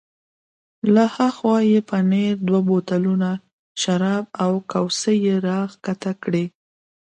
له ها خوا یې پنیر، دوه بوتلونه شراب او کوسۍ را کښته کړل.